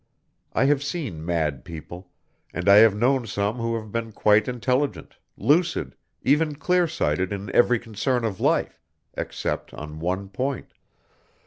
I have seen mad people, and I have known some who have been quite intelligent, lucid, even clear sighted in every concern of life, except on one point.